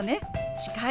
「近い」。